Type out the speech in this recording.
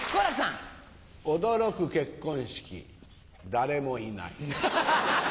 誰も居ない。